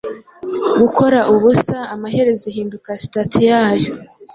Gukora ubusa amaherezo ihinduka stati yayo,